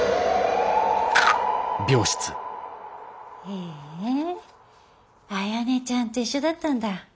へえあやねちゃんと一緒だったんだ。